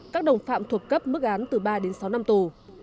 các đồng phạm thuộc cấp mức án từ ba đến sáu năm tù